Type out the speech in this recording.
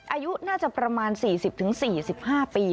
อายุน่าจะประมาณ๔๐๔๕ปี